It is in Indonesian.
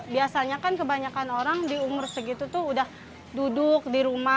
biasanya kan kebanyakan orang di umur segitu tuh udah duduk di rumah